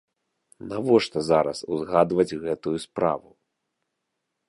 Навошта зараз узгадваць гэтую справу?